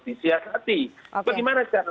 disiasati bagaimana cara